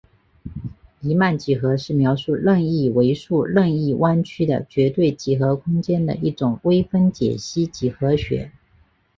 黎曼几何是描述任意维数任意弯曲的绝对几何空间的一种微分解析几何学。